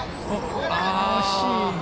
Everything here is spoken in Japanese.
惜しい。